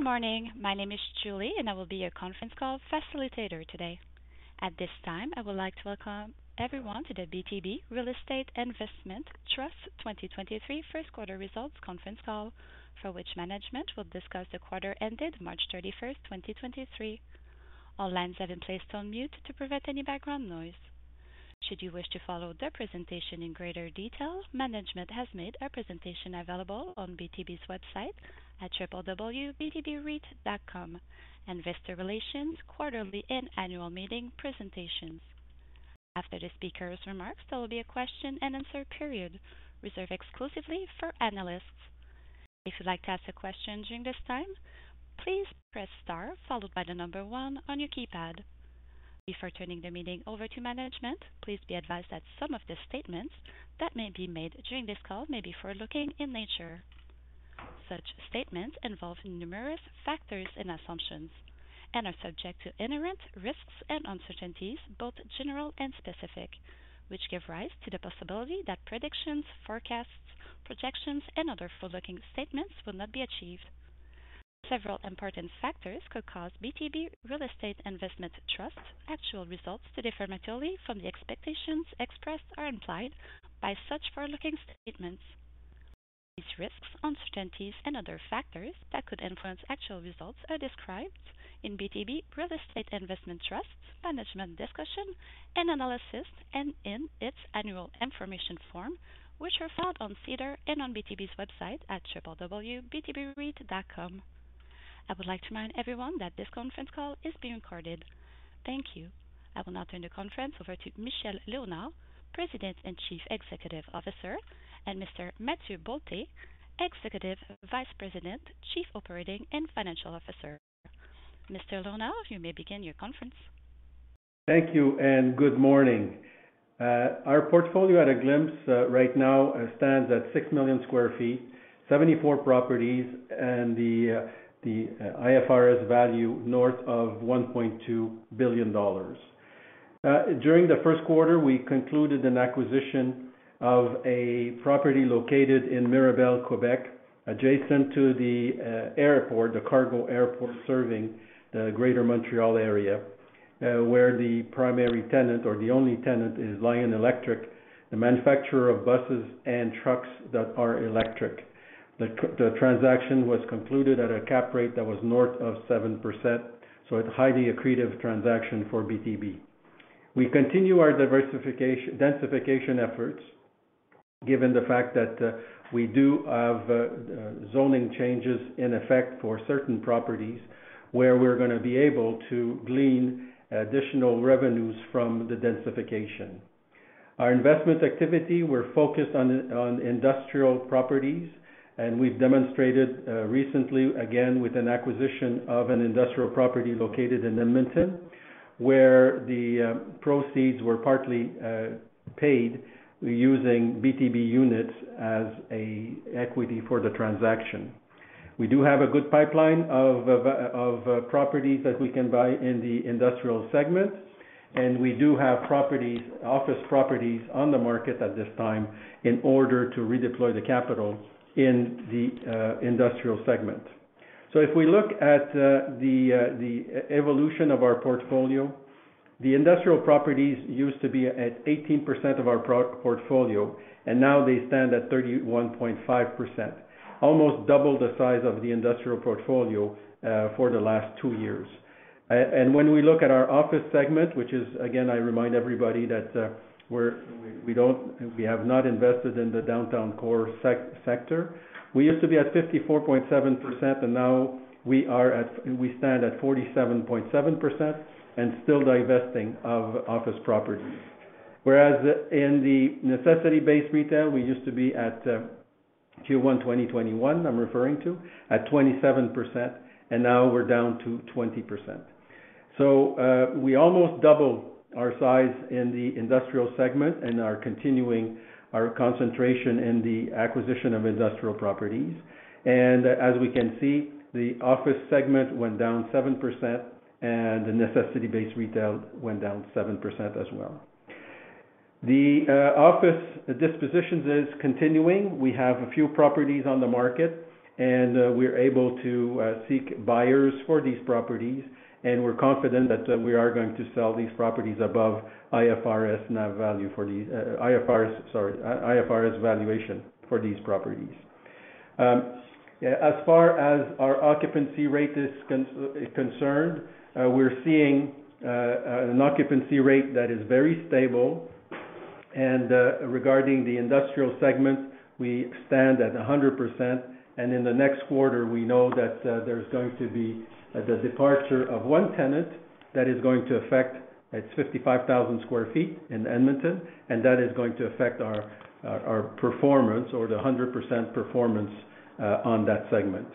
Good morning. My name is Julie, and I will be your conference call facilitator today. At this time, I would like to welcome everyone to the BTB Real Estate Investment Trust 2023 first quarter results conference call, for which management will discuss the quarter ended March 31st, 2023. All lines have been placed on mute to prevent any background noise. Should you wish to follow the presentation in greater detail, management has made a presentation available on BTB's website at www.btbreit.com. Investor relations, quarterly and annual meeting presentations. After the speaker's remarks, there will be a question and answer period reserved exclusively for analysts. If you'd like to ask a question during this time, please press star followed by one on your keypad. Before turning the meeting over to management, please be advised that some of the statements that may be made during this call may be forward-looking in nature. Such statements involve numerous factors and assumptions and are subject to inherent risks and uncertainties, both general and specific, which give rise to the possibility that predictions, forecasts, projections, and other forward-looking statements will not be achieved. Several important factors could cause BTB Real Estate Investment Trust actual results to differ materially from the expectations expressed or implied by such forward-looking statements. These risks, uncertainties, and other factors that could influence actual results are described in BTB Real Estate Investment Trust management discussion and analysis, and in its annual information form, which are found on SEDAR and on BTB's website at www.btbreit.com. I would like to remind everyone that this conference call is being recorded. Thank you. I will now turn the conference over to Michel Léonard, President and Chief Executive Officer, and Mr. Mathieu Bolté, Executive Vice President, Chief Operating and Financial Officer. Mr. Léonard, you may begin your conference. Thank you and good morning. Our portfolio at a glimpse, right now stands at 6 million sq ft, 74 properties, the IFRS value north of 1.2 billion dollars. During the first quarter, we concluded an acquisition of a property located in Mirabel, Quebec, adjacent to the airport, the cargo airport serving the Greater Montreal area, where the primary tenant, or the only tenant, is Lion Electric, the manufacturer of buses and trucks that are electric. The transaction was concluded at a cap rate that was north of 7%, it's highly accretive transaction for BTB. We continue our densification efforts, given the fact that we do have zoning changes in effect for certain properties, where we're gonna be able to glean additional revenues from the densification. Our investment activity, we're focused on industrial properties, and we've demonstrated recently, again, with an acquisition of an industrial property located in Edmonton, where the proceeds were partly paid using BTB units as a equity for the transaction. We do have a good pipeline of properties that we can buy in the industrial segment, and we do have properties, office properties on the market at this time in order to redeploy the capital in the industrial segment. If we look at the evolution of our portfolio, the industrial properties used to be at 18% of our portfolio, and now they stand at 31.5%, almost double the size of the industrial portfolio for the last two years. When we look at our office segment, which is again, I remind everybody that we have not invested in the downtown core sector. We used to be at 54.7%, and now we stand at 47.7% and still divesting of office properties. Whereas in the necessity-based retail, we used to be at Q1 2021, I'm referring to, at 27%, and now we're down to 20%. We almost doubled our size in the industrial segment and are continuing our concentration in the acquisition of industrial properties. As we can see, the office segment went down 7% and the necessity-based retail went down 7% as well. The office dispositions is continuing. We have a few properties on the market. We're able to seek buyers for these properties, and we're confident that we are going to sell these properties above IFRS NAV value, IFRS valuation for these properties. As far as our occupancy rate is concerned, we're seeing an occupancy rate that is very stable. Regarding the industrial segment, we stand at 100%. In the next quarter, we know that there's going to be the departure of one tenant that is going to affect... It's 55,000 sq ft in Edmonton, and that is going to affect our performance or the 100% performance on that segment.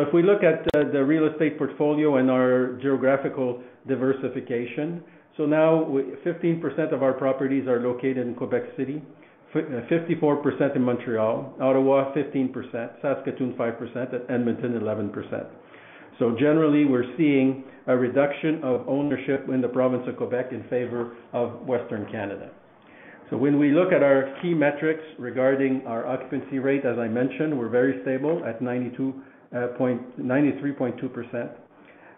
If we look at the real estate portfolio and our geographical diversification. Now 15% of our properties are located in Quebec City, 54% in Montreal, Ottawa 15%, Saskatoon 5%, and Edmonton 11%. Generally, we're seeing a reduction of ownership in the province of Quebec in favor of Western Canada. When we look at our key metrics regarding our occupancy rate, as I mentioned, we're very stable at 93.2%.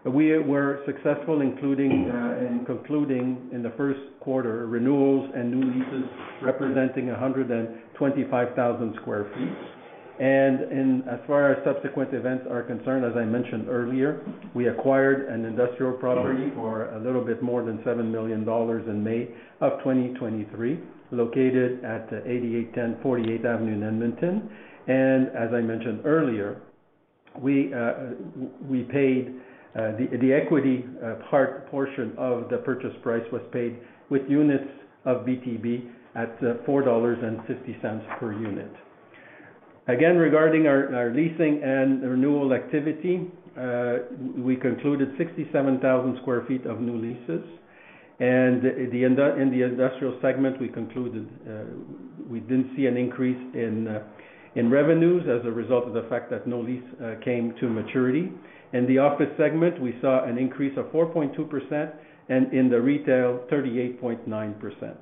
We were successful, including and concluding in the first quarter renewals and new leases representing 125,000 sq ft. As far as subsequent events are concerned, as I mentioned earlier, we acquired an industrial property for a little bit more than 7 million dollars in May of 2023, located at 8810, 48th Avenue in Edmonton. As I mentioned earlier, we paid the equity portion of the purchase price was paid with units of BTB at 4.50 dollars per unit. Again, regarding our leasing and renewal activity, we concluded 67,000 sq ft of new leases. In the industrial segment, we concluded, we didn't see an increase in revenues as a result of the fact that no lease came to maturity. In the office segment, we saw an increase of 4.2%, and in the retail, 38.9%.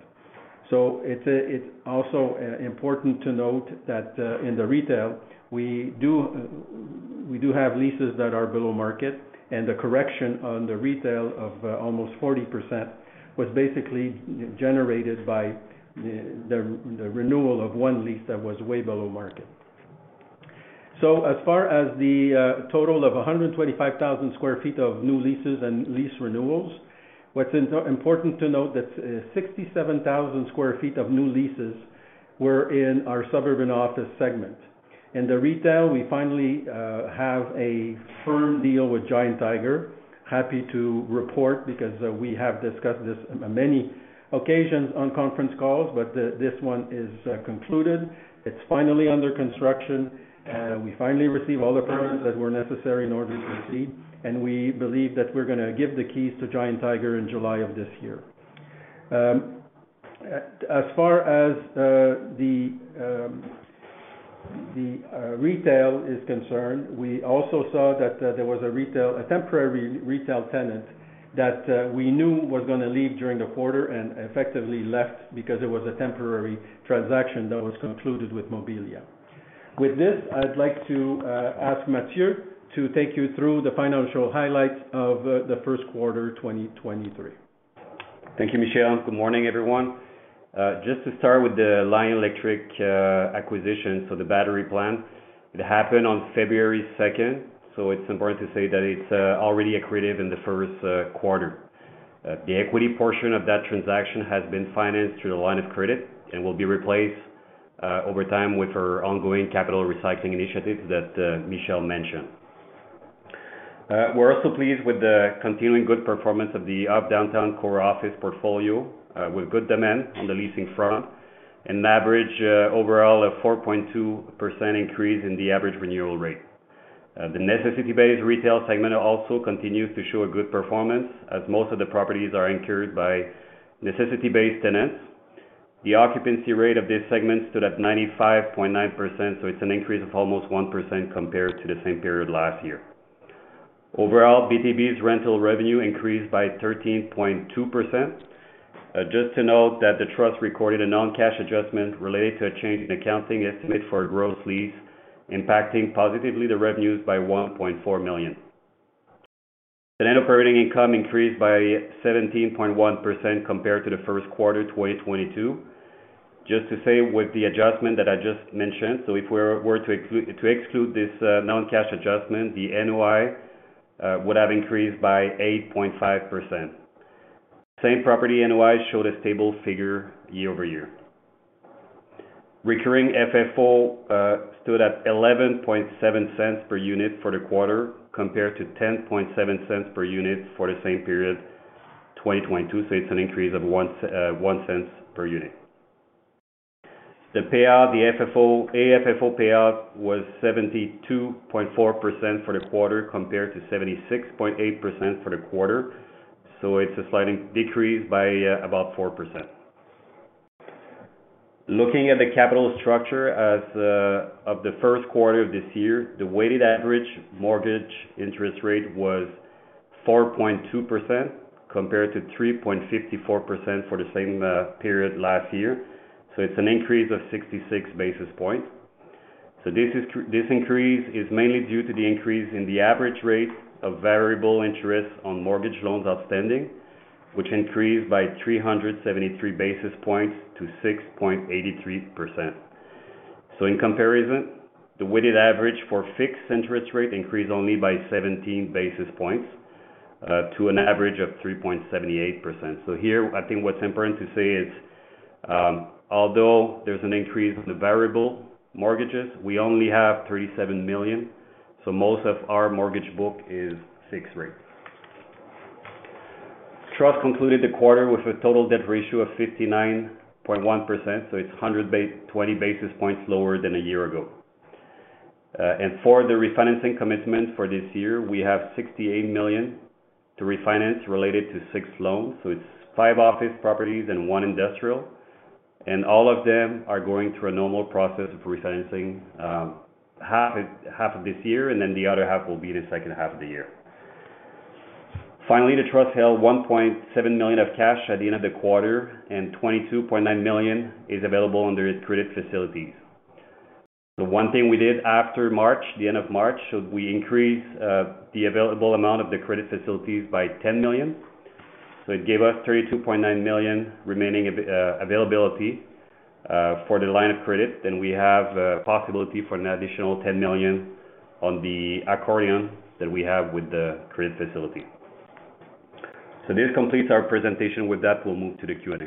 It's also important to note that in the retail, we do have leases that are below market, and the correction on the retail of almost 40% was basically generated by the renewal of one lease that was way below market. As far as the total of 125,000 sq ft of new leases and lease renewals, what's important to note that 67,000 sq ft of new leases were in our suburban office segment. In the retail, we finally have a firm deal with Giant Tiger. Happy to report because we have discussed this on many occasions on conference calls, this one is concluded. It's finally under construction, we finally received all the permits that were necessary in order to proceed. We believe that we're gonna give the keys to Giant Tiger in July of this year. As far as the retail is concerned, we also saw that there was a temporary retail tenant that we knew was gonna leave during the quarter and effectively left because it was a temporary transaction that was concluded with Mobilia. With this, I'd like to ask Mathieu to take you through the financial highlights of the first quarter, 2023. Thank you, Michel. Good morning, everyone. Just to start with the Lion Electric acquisition, so the battery plant, it happened on February 2nd, so it's important to say that it's already accretive in the 1st quarter. The equity portion of that transaction has been financed through the line of credit and will be replaced over time with our ongoing capital recycling initiatives that Michel mentioned. We're also pleased with the continuing good performance of the op downtown core office portfolio, with good demand on the leasing front and an average overall of 4.2% increase in the average renewal rate. The necessity-based retail segment also continues to show a good performance as most of the properties are anchored by necessity-based tenants. The occupancy rate of this segment stood at 95.9%. It's an increase of almost 1% compared to the same period last year. BTB's rental revenue increased by 13.2%. Just to note that the trust recorded a non-cash adjustment related to a change in accounting estimate for gross lease, impacting positively the revenues by 1.4 million. The net operating income increased by 17.1% compared to the first quarter 2022. With the adjustment that I just mentioned, if we were to exclude this non-cash adjustment, the NOI would have increased by 8.5%. Same-Property NOI showed a stable figure year-over-year. Recurring FFO stood at 0.117 per unit for the quarter, compared to 0.107 per unit for the same period 2022, so it's an increase of 0.01 per unit. The payout, the FFO, AFFO payout was 72.4% for the quarter, compared to 76.8% for the quarter, so it's a slight increase by about 4%. Looking at the capital structure as of the first quarter of this year, the weighted average mortgage interest rate was 4.2% compared to 3.54% for the same period last year. It's an increase of 66 basis points. This is, this increase is mainly due to the increase in the average rate of variable interest on mortgage loans outstanding, which increased by 373 basis points to 6.83%. In comparison, the weighted average for fixed interest rate increased only by 17 basis points, to an average of 3.78%. Here, I think what's important to say is, although there's an increase in the variable mortgages, we only have 37 million, so most of our mortgage book is fixed rate. The Trust concluded the quarter with a total debt ratio of 59.1%, so it's 120 basis points lower than a year ago. For the refinancing commitment for this year, we have 68 million to refinance related to six loans. It's five office properties and one industrial. All of them are going through a normal process of refinancing, half of this year. The other half will be the second half of the year. Finally, the Trust held 1.7 million of cash at the end of the quarter, and 22.9 million is available under its credit facilities. The one thing we did after March, the end of March, so we increased the available amount of the credit facilities by 10 million. It gave us 32.9 million remaining availability for the line of credit. We have a possibility for an additional 10 million on the accordion that we have with the credit facility. This completes our presentation. With that, we'll move to the Q&A.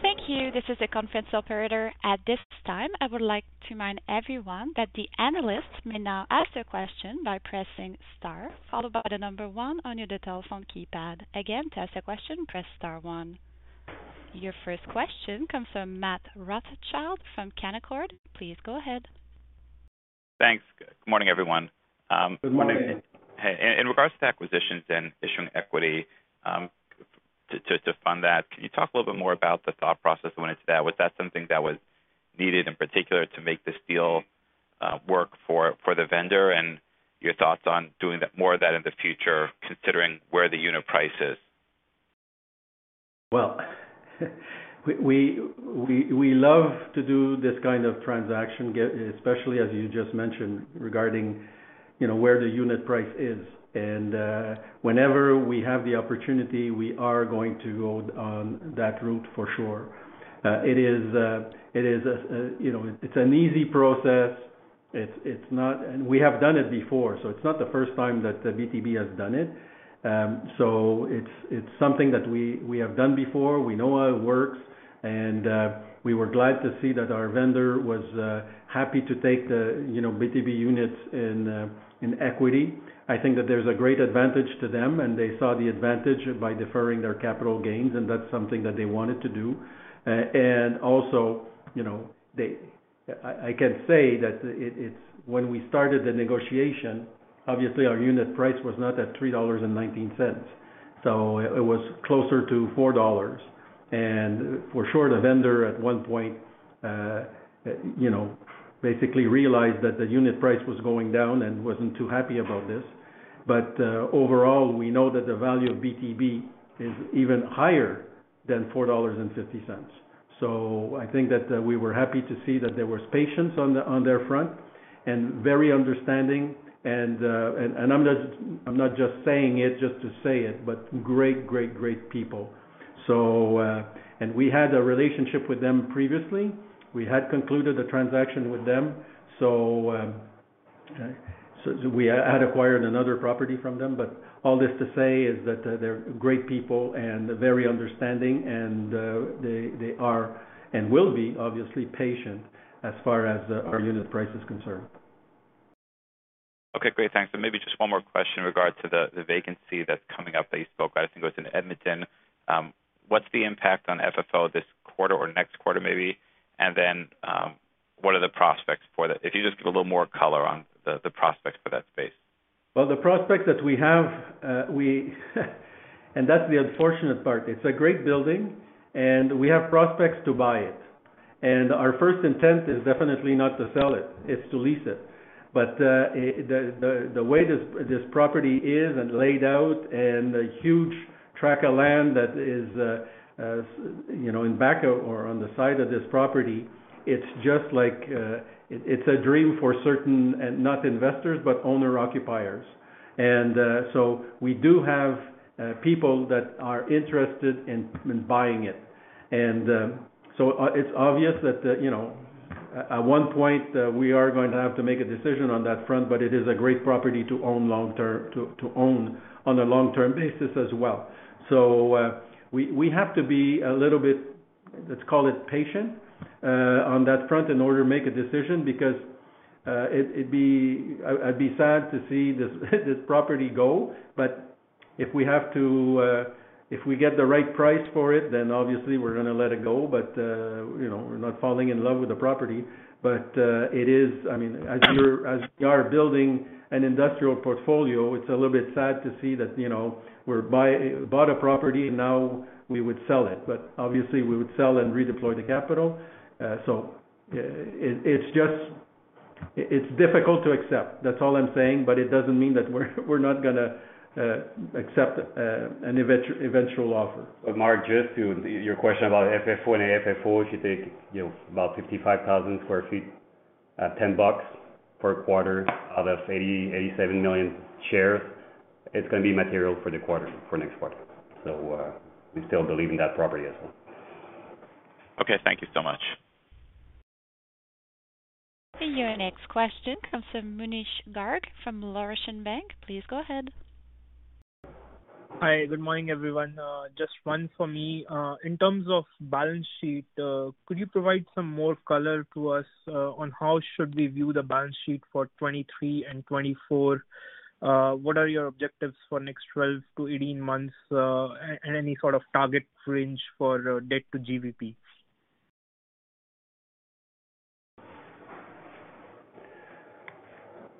Thank you. This is the conference operator. At this time, I would like to remind everyone that the analysts may now ask their question by pressing star followed by one on your telephone keypad. Again, to ask a question, press star one. Your first question comes from Matt Rothschild from Canaccord. Please go ahead. Thanks. Good morning, everyone. Good morning. Hey. In regards to acquisitions and issuing equity, to fund that, can you talk a little bit more about the thought process when it's that? Was that something that was needed in particular to make this deal, work for the vendor? Your thoughts on doing that more of that in the future, considering where the unit price is? Well, we love to do this kind of transaction, especially as you just mentioned regarding, you know, where the unit price is. Whenever we have the opportunity, we are going to go on that route for sure. It is, you know, it's an easy process. We have done it before, so it's not the first time that BTB has done it. It's something that we have done before. We know how it works. We were glad to see that our vendor was happy to take the, you know, BTB units in equity. I think that there's a great advantage to them, and they saw the advantage by deferring their capital gains, and that's something that they wanted to do. Also, you know, I can say that when we started the negotiation, obviously our unit price was not at 3.19 dollars. It was closer to 4 dollars. For sure, the vendor at one point, you know, basically realized that the unit price was going down and wasn't too happy about this. Overall, we know that the value of BTB is even higher than 4.50 dollars. I think that we were happy to see that there was patience on the, on their front and very understanding and I'm not just saying it just to say it, but great, great people. We had a relationship with them previously. We had concluded a transaction with them. We had acquired another property from them. All this to say is that they're great people and very understanding and they are and will be obviously patient as far as our unit price is concerned. Okay, great. Thanks. Maybe just one more question in regards to the vacancy that's coming up that you spoke about. I think it was in Edmonton. What's the impact on FFO this quarter or next quarter maybe? What are the prospects for that? If you just give a little more color on the prospects for that space. Well, the prospects that we have. That's the unfortunate part. It's a great building and we have prospects to buy it. Our first intent is definitely not to sell it's to lease it. The way this property is and laid out and the huge track of land that is, you know, in back or on the side of this property, it's just like, it's a dream for certain, not investors, but owner occupiers. So we do have people that are interested in buying it. So it's obvious that, you know, at one point, we are going to have to make a decision on that front, but it is a great property to own long-term to own on a long-term basis as well. We have to be a little bit, let's call it patient, on that front in order to make a decision because, it'd be... I'd be sad to see this property go. If we have to, if we get the right price for it, then obviously we're gonna let it go. You know, we're not falling in love with the property. It is... I mean, as we are building an industrial portfolio, it's a little bit sad to see that, you know, bought a property and now we would sell it, but obviously we would sell and redeploy the capital. It's difficult to accept. That's all I'm saying. It doesn't mean that we're not gonna, accept, an even-eventual offer. Mark, just to your question about FFO and AFFO, if you take, you know, about 55,000 sq ft at $10 per quarter out of 87 million shares, it's going to be material for next quarter. We still believe in that property as well. Okay, thank you so much. Your next question comes from Munish Garg from Laurentian Bank. Please go ahead. Hi. Good morning, everyone. Just one for me. In terms of balance sheet, could you provide some more color to us on how should we view the balance sheet for 2023 and 2024? What are your objectives for next 12-18 months? Any sort of target range for debt to GBV.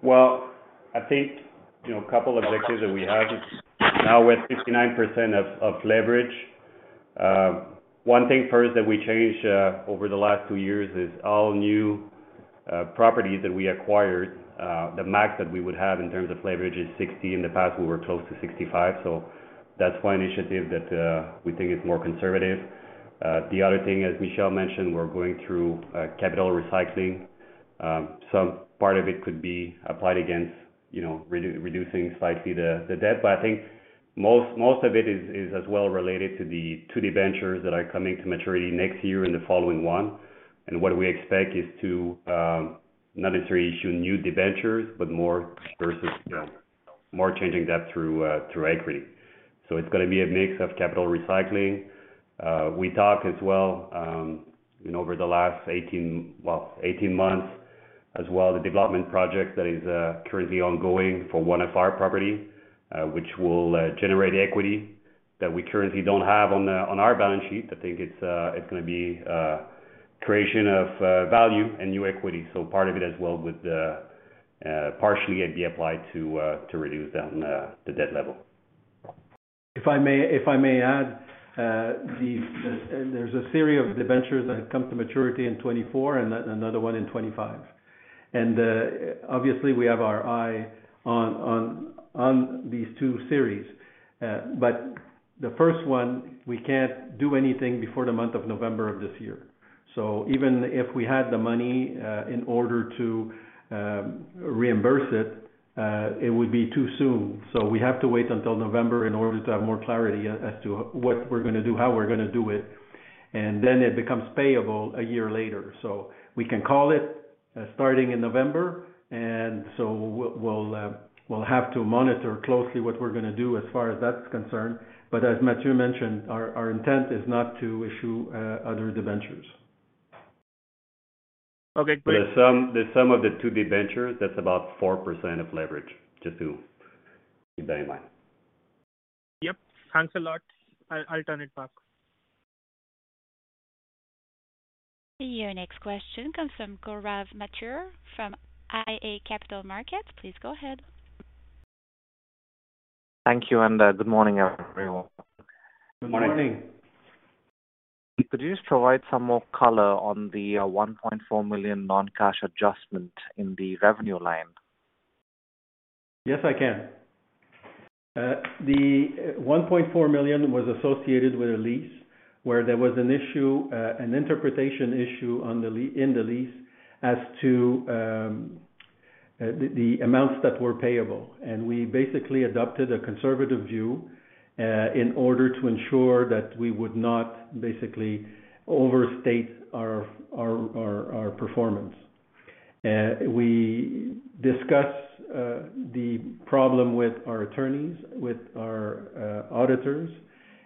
Well, I think, you know, a couple objectives that we have is now we're at 59% of leverage. One thing first that we changed over the last two years is all new properties that we acquired, the max that we would have in terms of leverage is 60. In the past, we were close to 65, that's one initiative that we think is more conservative. The other thing, as Michel mentioned, we're going through capital recycling. Some part of it could be applied against, you know, reducing slightly the debt. I think most of it is as well related to the ventures that are coming to maturity next year and the following one. What we expect is to not necessarily issue new debentures, but more changing debt through equity. It's gonna be a mix of capital recycling. We talked as well, you know, over the last 18 months as well, the development project that is currently ongoing for one of our property, which will generate equity that we currently don't have on our balance sheet. I think it's gonna be creation of value and new equity. Part of it as well would partially it be applied to reduce down the debt level. If I may, if I may add, There's a series of debentures that have come to maturity in 2024 and another one in 2025. Obviously, we have our eye on these two series. The first one, we can't do anything before the month of November of this year. Even if we had the money, in order to reimburse it would be too soon. We have to wait until November in order to have more clarity as to what we're gonna do, how we're gonna do it, and then it becomes payable a year later. We can call it, starting in November, we'll have to monitor closely what we're gonna do as far as that's concerned. As Mathieu mentioned, our intent is not to issue other debentures. Okay, great. The sum of the two debentures, that's about 4% of leverage, just to keep that in mind. Yep. Thanks a lot. I'll turn it back. Your next question comes from Gaurav Mathur from iA Capital Markets. Please go ahead. Thank you, good morning, everyone. Good morning. Good morning. Could you just provide some more color on the 1.4 million non-cash adjustment in the revenue line? Yes, I can. The 1.4 million was associated with a lease where there was an issue, an interpretation issue in the lease as to the amounts that were payable. We basically adopted a conservative view in order to ensure that we would not basically overstate our performance. We discussed the problem with our attorneys, with our auditors,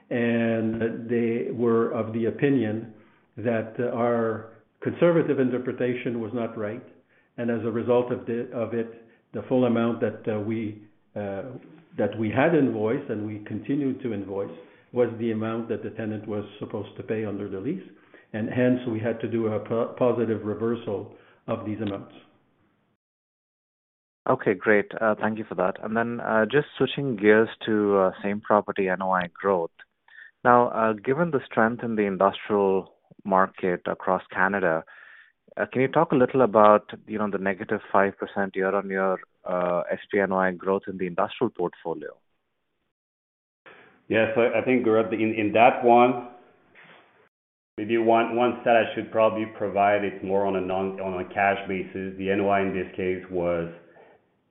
and they were of the opinion that our conservative interpretation was not right. As a result of it, the full amount that we that we had invoiced and we continued to invoice was the amount that the tenant was supposed to pay under the lease. Hence, we had to do a positive reversal of these amounts. Okay, great. Thank you for that. Then, just switching gears to same property NOI growth. Given the strength in the industrial market across Canada, can you talk a little about, you know, the -5% year-on-year SP NOI growth in the industrial portfolio? Yes. I think, Gaurav, in that one, maybe one stat I should probably provide is more on a cash basis. The NOI in this case was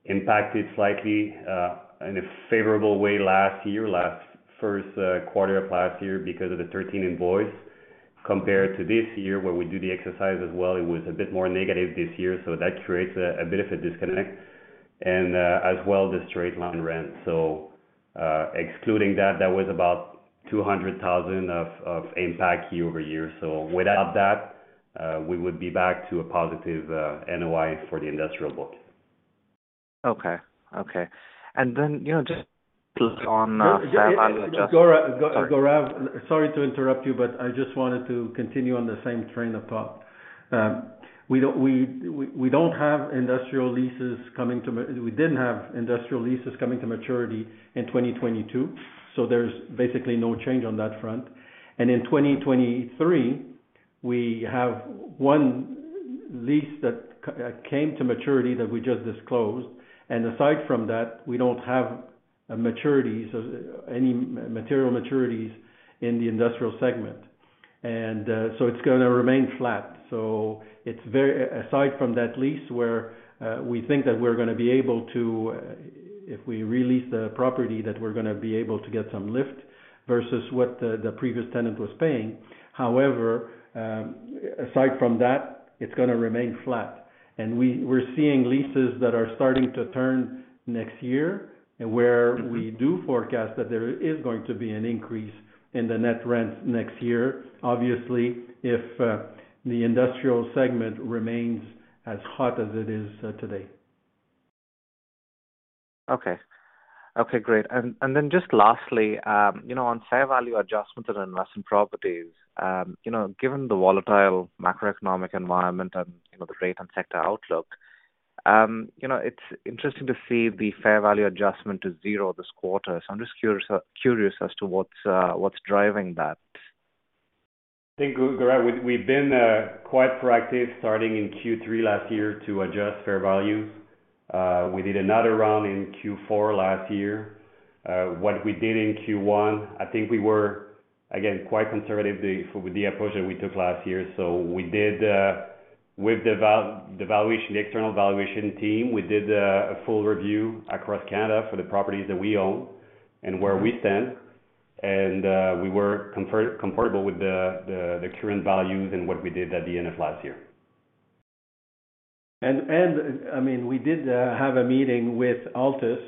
impacted slightly in a favorable way last first quarter of last year because of the 13th month invoice. Compared to this year where we do the exercise as well, it was a bit more negative this year. That creates a bit of a disconnect and as well, the straight-line rent. Excluding that was about 200,000 of impact year-over-year. Without that, we would be back to a positive NOI for the industrial book. Okay. Okay. you know, just on fair value. Gaurav, sorry to interrupt you, I just wanted to continue on the same train of thought. We don't have industrial leases coming to maturity in 2022, there's basically no change on that front. In 2023, we have one lease that came to maturity that we just disclosed. Aside from that, we don't have a maturity, any material maturities in the industrial segment. It's gonna remain flat. It's very. Aside from that lease where we think that we're gonna be able to, if we re-lease the property, that we're gonna be able to get some lift versus what the previous tenant was paying. However, aside from that, it's gonna remain flat. We're seeing leases that are starting to turn next year, and where we do forecast that there is going to be an increase in the net rent next year, obviously, if the industrial segment remains as hot as it is today. Okay. Okay, great. Then just lastly, you know, on fair value adjustments and investment properties, you know, given the volatile macroeconomic environment and, you know, the rate and sector outlook. You know, it's interesting to see the fair value adjustment to zero this quarter. I'm just curious as to what's driving that? I think, Gaurav, we've been quite proactive starting in Q3 last year to adjust fair value. We did another round in Q4 last year. What we did in Q1, I think we were, again, quite conservative with the valuation, the external valuation team, we did a full review across Canada for the properties that we own and where we stand. We were comfortable with the current values and what we did at the end of last year. I mean, we did have a meeting with Altus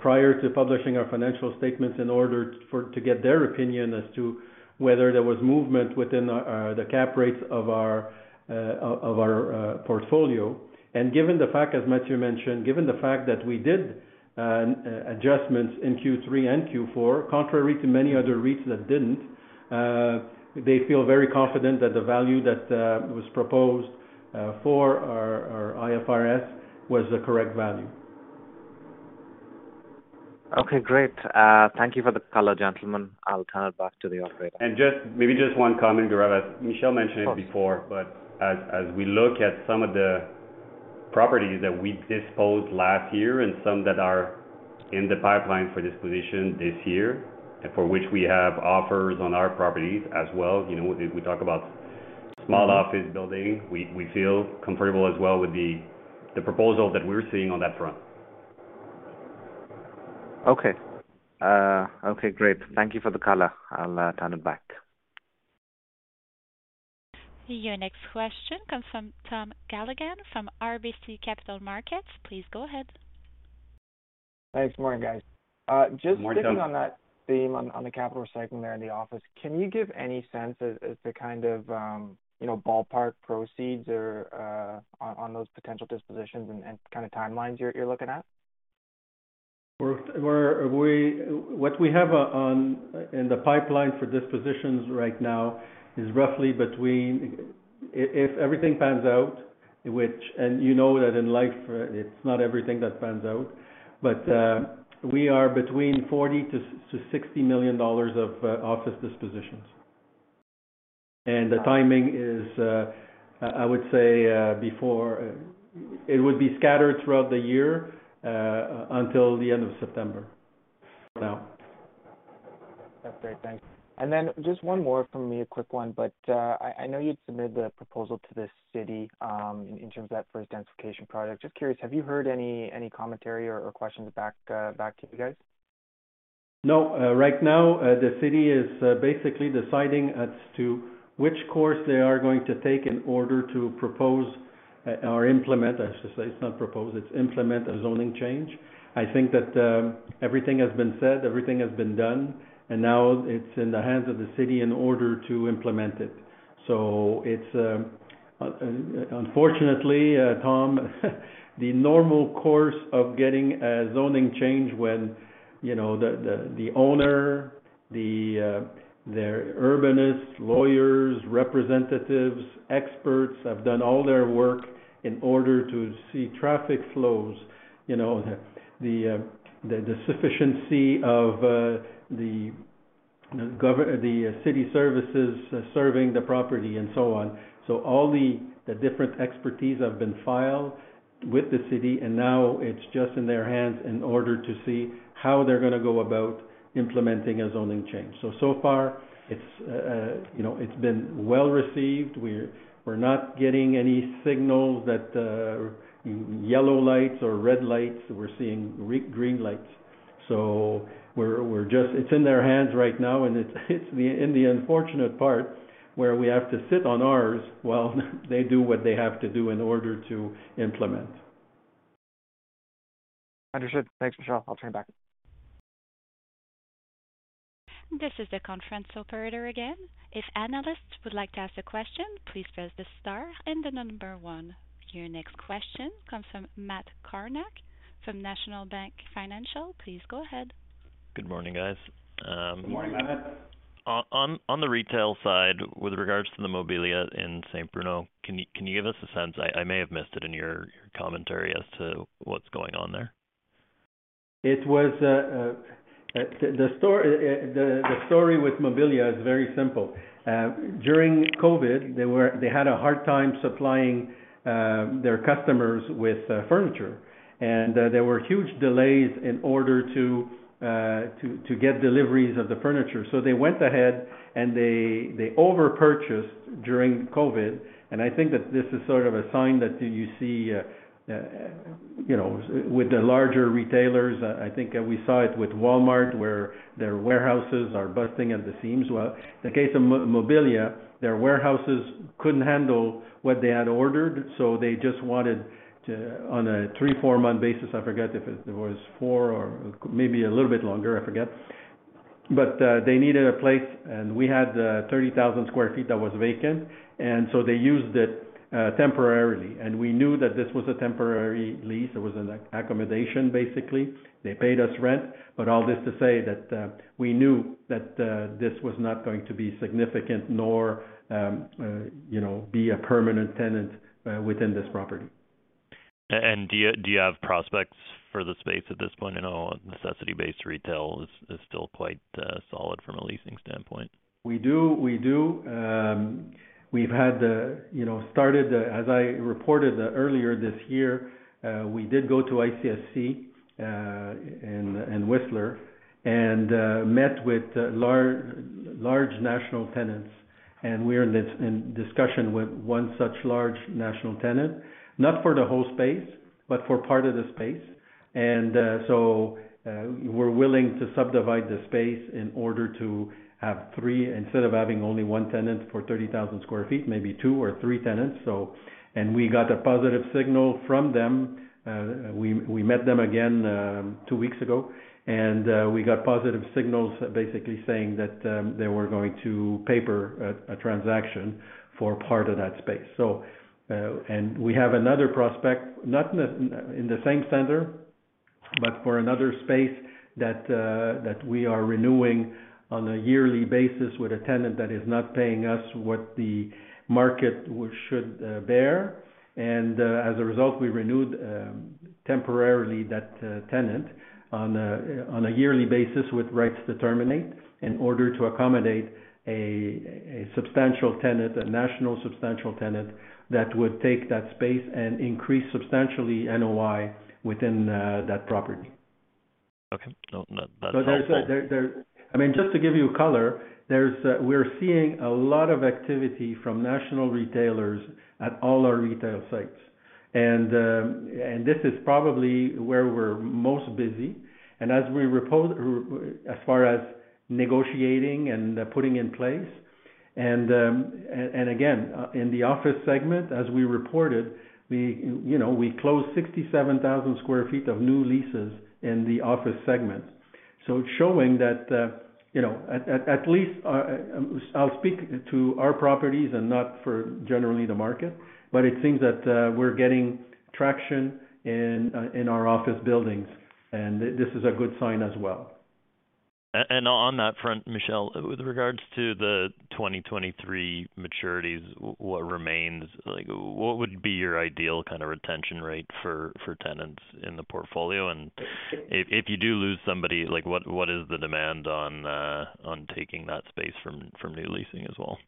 prior to publishing our financial statements in order to get their opinion as to whether there was movement within the cap rates of our portfolio. Given the fact, as Mathieu mentioned, given the fact that we did adjustments in Q3 and Q4, contrary to many other REITs that didn't, they feel very confident that the value that was proposed for our IFRS was the correct value. Okay, great. Thank you for the color, gentlemen. I'll turn it back to the operator. Maybe just one comment, Gaurav. As Michel mentioned it before, but as we look at some of the properties that we disposed last year and some that are in the pipeline for disposition this year, and for which we have offers on our properties as well, you know, if we talk about small office building, we feel comfortable as well with the proposal that we're seeing on that front. Okay. Okay, great. Thank you for the color. I'll turn it back. Your next question comes from Tom Callaghan from RBC Capital Markets. Please go ahead. Thanks. Morning, guys. Morning, Tom. Just sticking on that theme on the capital recycling there in the office, can you give any sense as to kind of, you know, ballpark proceeds or on those potential dispositions and kind of timelines you're looking at? What we have in the pipeline for dispositions right now is roughly between... if everything pans out, which... You know that in life, it's not everything that pans out. We are between 40 million-60 million dollars of office dispositions. The timing is, I would say, before... It would be scattered throughout the year, until the end of September for now. That's great. Thanks. Just one more from me, a quick one. I know you'd submitted a proposal to the city in terms of that first densification project. Just curious, have you heard any commentary or questions back to you guys? No. right now, the city is basically deciding as to which course they are going to take in order to propose, or implement, I should say. It's not propose, it's implement a zoning change. I think that everything has been said, everything has been done. Now it's in the hands of the city in order to implement it. It's unfortunately, Tom, the normal course of getting a zoning change when, you know, the owner, their urbanists, lawyers, representatives, experts, have done all their work in order to see traffic flows, you know, the sufficiency of the city services serving the property and so on. All the different expertise have been filed with the city, now it's just in their hands in order to see how they're gonna go about implementing a zoning change. So far it's, you know, it's been well received. We're not getting any signals that yellow lights or red lights. We're seeing green lights. We're just. It's in their hands right now, and it's, in the unfortunate part where we have to sit on ours while they do what they have to do in order to implement. Understood. Thanks, Michel. I'll turn it back. This is the conference operator again. If analysts would like to ask a question, please press the star and the number one. Your next question comes from Matt Kornack from National Bank Financial. Please go ahead. Good morning, guys. Good morning, Matt. On the retail side, with regards to the Mobilia in St-Bruno, can you give us a sense, I may have missed it in your commentary as to what's going on there? It was, the story with Mobilia is very simple. During COVID, they had a hard time supplying their customers with furniture. There were huge delays in order to get deliveries of the furniture. They went ahead and they over-purchased during COVID. I think that this is sort of a sign that you see, you know, with the larger retailers. I think we saw it with Walmart, where their warehouses are bursting at the seams. In the case of Mobilia, their warehouses couldn't handle what they had ordered, so they just wanted to... On a three, four-month basis, I forget if it was four or maybe a little bit longer, I forget. They needed a place, and we had 30,000 sq ft that was vacant, and so they used it temporarily. We knew that this was a temporary lease. It was an accommodation, basically. They paid us rent. All this to say that we knew that this was not going to be significant nor, you know, be a permanent tenant within this property. Do you have prospects for the space at this point? I know necessity-based retail is still quite solid from a leasing standpoint. We do. You know, started as I reported earlier this year, we did go to ICSC@WHISTLER and met with large national tenants, and we're in discussion with one such large national tenant. Not for the whole space, but for part of the space. We're willing to subdivide the space in order to have three, instead of having only one tenant for 30,000 sq ft, maybe two or three tenants. We got a positive signal from them. We met them again two weeks ago, and we got positive signals basically saying that they were going to paper a transaction for part of that space. We have another prospect, not in the same center, but for another space that we are renewing on a yearly basis with a tenant that is not paying us what the market should bear. As a result, we renewed temporarily that tenant on a yearly basis with rights to terminate in order to accommodate a substantial tenant, a national substantial tenant, that would take that space and increase substantially NOI within that property. Okay. No, that's helpful. There's, I mean, just to give you color, there's, we're seeing a lot of activity from national retailers at all our retail sites. This is probably where we're most busy. As we as far as negotiating and putting in place. Again, in the office segment, as we reported, we, you know, we closed 67,000 sq ft of new leases in the office segment. It's showing that, you know, at least, I'll speak to our properties and not for generally the market, but it seems that, we're getting traction in our office buildings, and this is a good sign as well. On that front, Michel, with regards to the 2023 maturities, what remains? Like, what would be your ideal kind of retention rate for tenants in the portfolio? If you do lose somebody, like what is the demand on taking that space from re-leasing as well?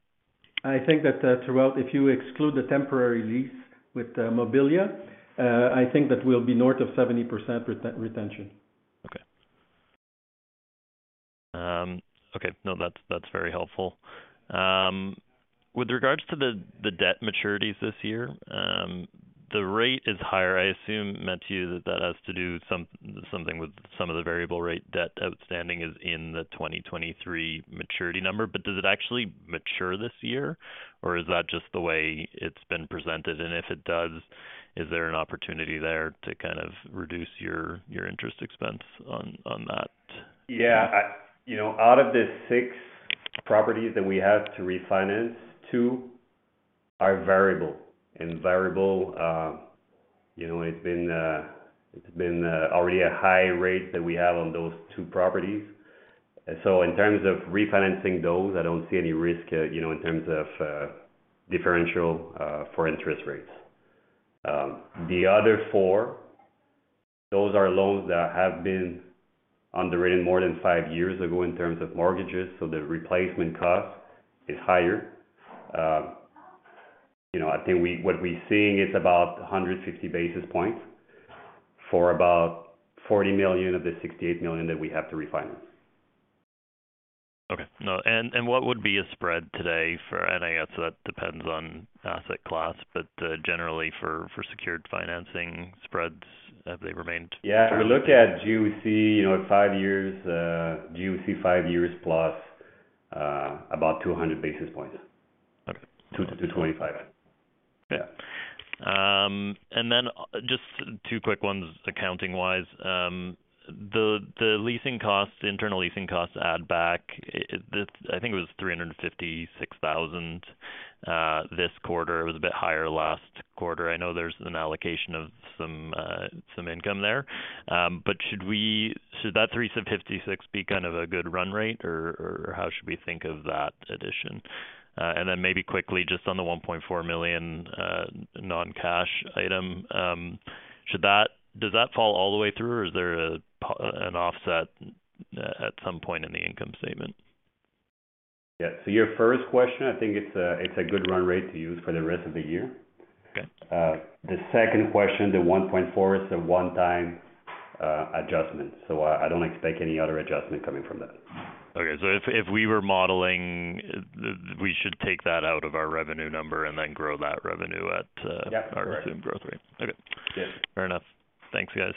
I think that, throughout, if you exclude the temporary lease with Mobilia, I think that we'll be north of 70% retention. Okay. Okay. No, that's very helpful. With regards to the debt maturities this year, the rate is higher. I assume, Mathieu, that that has to do something with some of the variable rate debt outstanding is in the 2023 maturity number. Does it actually mature this year, or is that just the way it's been presented? If it does, is there an opportunity there to kind of reduce your interest expense on that? Yeah. You know, out of the six properties that we have to refinance, two are variable. Variable, you know, it's been already a high rate that we have on those two properties. In terms of refinancing those, I don't see any risk, you know, in terms of differential for interest rates. The other four, those are loans that have been underrated more than five years ago in terms of mortgages, so the replacement cost is higher. You know, I think what we're seeing is about 150 basis points for about 40 million of the 68 million that we have to refinance. Okay. No. What would be a spread today for... I guess that depends on asset class, but generally for secured financing spreads, have they remained. Yeah. If you look at GOC, you know, at five years, GOC five years plus, about 200 basis points. Okay. 200 basis points-225 basis points. Yeah. Just two quick ones accounting-wise. The leasing costs, internal leasing costs add back, I think it was 356,000 this quarter. It was a bit higher last quarter. I know there's an allocation of some income there. Should that 356,000 be kind of a good run rate, or how should we think of that addition? Maybe quickly, just on the 1.4 million non-cash item, does that fall all the way through, or is there an offset at some point in the income statement? Yeah. Your first question, I think it's a, it's a good run rate to use for the rest of the year. Okay. The second question, the 1.4 million is a one-time adjustment, so I don't expect any other adjustment coming from that. Okay. If we were modeling, we should take that out of our revenue number and then grow that revenue at. Yeah. Correct. Our assumed growth rate. Okay. Yeah. Fair enough. Thanks, guys.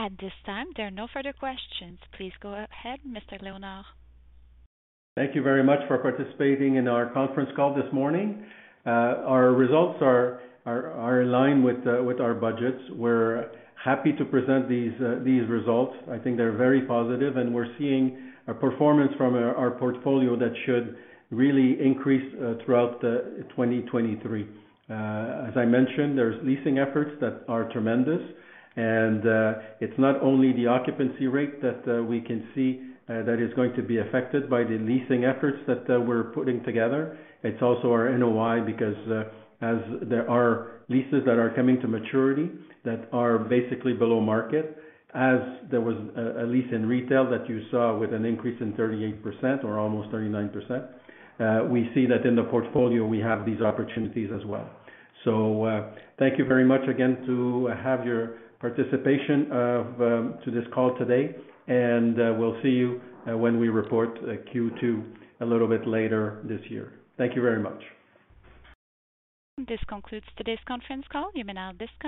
At this time, there are no further questions. Please go ahead, Mr. Léonard. Thank you very much for participating in our conference call this morning. Our results are in line with our budgets. We're happy to present these results. I think they're very positive, and we're seeing a performance from our portfolio that should really increase throughout 2023. As I mentioned, there's leasing efforts that are tremendous. It's not only the occupancy rate that we can see that is going to be affected by the leasing efforts that we're putting together. It's also our NOI because as there are leases that are coming to maturity that are basically below market, as there was a lease in retail that you saw with an increase in 38% or almost 39%, we see that in the portfolio we have these opportunities as well. Thank you very much again to have your participation to this call today, and we'll see you when we report Q2 a little bit later this year. Thank you very much. This concludes today's conference call. You may now disconnect.